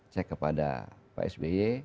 cek kepada pak sby